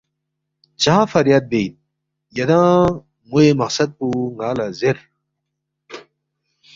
چا فریاد بے اِن؟ یدانگ ن٘وے مقصد پو ن٘ا لہ زیر